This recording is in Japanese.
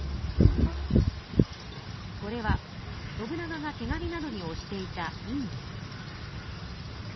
これは信長が手紙などにおしていた印です。